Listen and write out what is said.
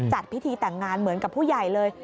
จัดพิธีแต่งงานเหมือนกับผู้ใหญ่เลย